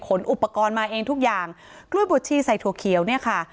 อุปกรณ์มาเองทุกอย่างกล้วยบดชีใส่ถั่วเขียวเนี่ยค่ะ